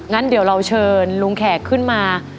งั้นเดี๋ยวเราเชิญลุงแขกขึ้นมา